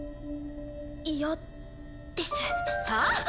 嫌です。はあ？